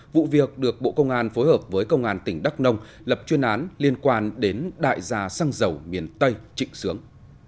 vụ việc được bộ công an phối hợp với công an tỉnh đắk nông lập chuyên án liên quan đến đại gia xăng dầu miền tây trịnh sướng